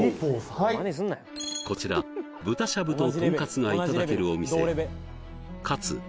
こちら豚しゃぶととんかつがいただけるお店